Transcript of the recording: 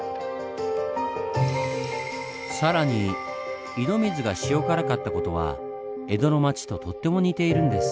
更に井戸水が塩辛かった事は江戸の町ととっても似ているんです。